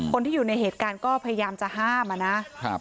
คนที่อยู่ในเหตุการณ์ก็พยายามจะห้ามอ่ะนะครับ